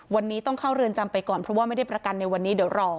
วันนี้ต้องเข้าเรือนจำไปก่อนเพราะว่าไม่ได้ประกันในวันนี้เดี๋ยวรอ